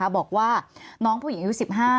บอกว่าน้องผู้หญิงอายุ๑๕